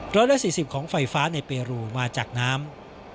ร้อยละ๔๐ของไฟฟ้าในเปรูมาจากน้ำ